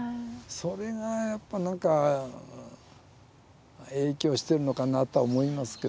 それがやっぱ何か影響してるのかなとは思いますけどね。